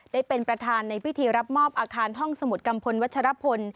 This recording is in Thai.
ได้เป็นประธานในพิธีรับมอบอาคารห้องสมุดกัมพลวัชรพล